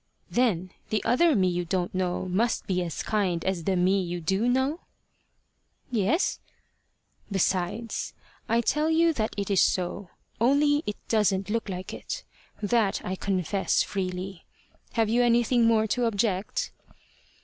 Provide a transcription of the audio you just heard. "Then the other me you don't know must be as kind as the me you do know?" "Yes." "Besides, I tell you that it is so, only it doesn't look like it. That I confess freely. Have you anything more to object?"